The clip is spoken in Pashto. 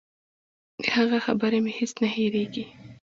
د هغه خبرې مې هېڅ نه هېرېږي.